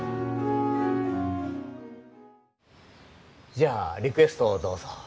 じゃあリクエストをどうぞ。